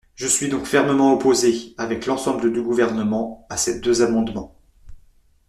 Je suis donc fermement opposé, avec l’ensemble du Gouvernement, à ces deux amendements.